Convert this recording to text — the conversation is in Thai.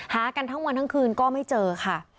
หากันทั้งวันทั้งคืนก็ไม่เจอค่ะ